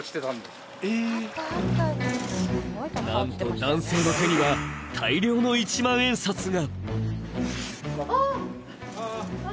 なんと男性の手には大量の一万円札が！